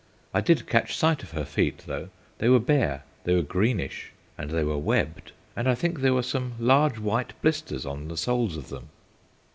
I did catch sight of her feet, though; they were bare, they were greenish, and they were webbed, and I think there were some large white blisters on the soles of them.